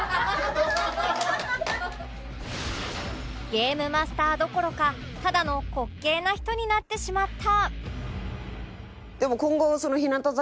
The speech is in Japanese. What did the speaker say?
ゲームマスターどころかただの滑稽な人になってしまった